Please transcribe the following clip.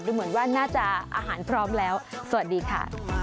เหมือนว่าน่าจะอาหารพร้อมแล้วสวัสดีค่ะ